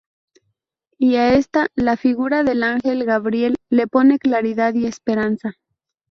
Y a esta, la figura del Ángel Gabriel le pone claridad y esperanza.